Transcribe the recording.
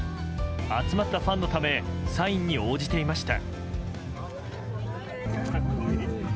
集まったファンのためサインに応じていました。